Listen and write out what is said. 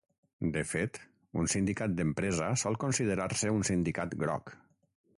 De fet, un sindicat d'empresa sol considerar-se un sindicat groc.